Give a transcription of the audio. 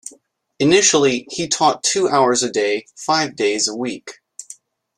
Initially he taught two hours a day, five days a week.